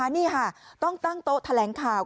นี่ค่ะต้องตั้งโต๊ะแถลงข่าว